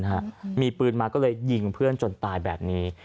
ฮะมีปืนมาก็เลยยิงเพื่อนจนตายแบบนี้